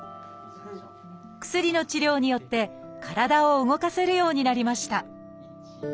薬の治療によって体を動かせるようになりました。